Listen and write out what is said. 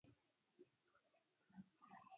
أنت من يا من على تلك الدمن